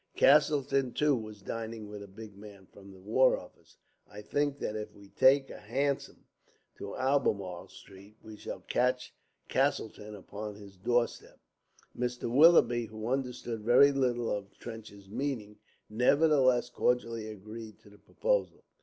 Castleton, too, was dining with a big man from the War Office. I think that if we take a hansom to Albemarle Street, we shall just catch Castleton upon his door step." Mr. Willoughby, who understood very little of Trench's meaning, nevertheless cordially agreed to the proposal.